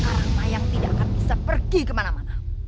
orang mayang tidak akan bisa pergi kemana mana